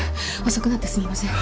遅くなってすみません。